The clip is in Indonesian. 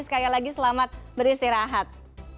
sekali lagi selamat beristirahat